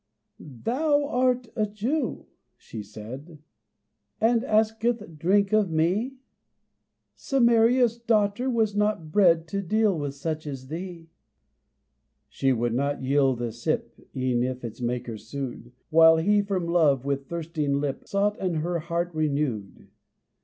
"Thou art a Jew," she said, "And asketh drink of me? Samaria's daughter was not bred To deal with such as thee." She would not yield a sip E'en if its maker sued, While he from love, with thirsting lip, Sought and her heart renewed.